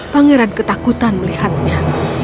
pangeran ketakutan melihatnya